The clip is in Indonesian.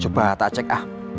coba tak cek ah